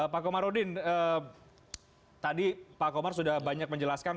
pak komarudin tadi pak komar sudah banyak menjelaskan